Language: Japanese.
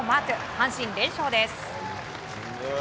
阪神、連勝です。